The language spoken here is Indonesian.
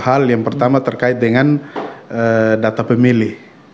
hal yang pertama terkait dengan data pemilih